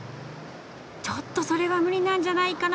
ちょっとそれはムリなんじゃないかな。